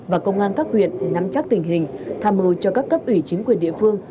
và công an các huyện nắm chắc tình hình tham mưu cho các cấp ủy chính quyền địa phương